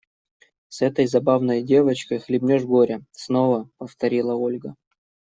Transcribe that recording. С этой забавной девочкой хлебнешь горя, – снова повторила Ольга.